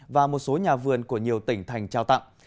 và một số nhà vườn của nhiều tỉnh thành trao tặng